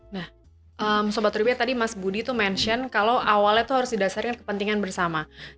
nah sobat pribadi tadi mas budi itu mention kalau awalnya itu harus didasarkan kepentingan bersama